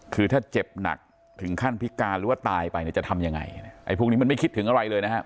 คือถ้าเจ็บหนักถึงขั้นพิการหรือว่าตายไปเนี่ยจะทำยังไงไอ้พวกนี้มันไม่คิดถึงอะไรเลยนะครับ